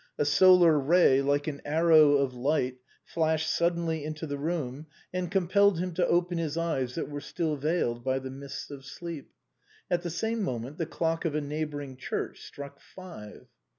A solar ray, like an arrow of light, flashed suddenly into the room, and compelled him to open his eyes that were still veiled by the mists of sleep. At the same moment the clock of a neighboring church struck five.